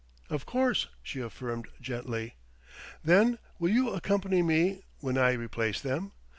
"Of course," she affirmed gently. "Then ... will you accompany me when I replace them?